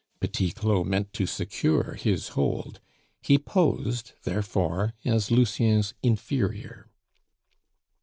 Petit Claud meant to secure his hold; he posed, therefore, as Lucien's inferior.